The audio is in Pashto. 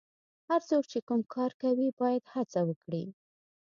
هر څوک چې کوم کار کوي باید هڅه وکړي.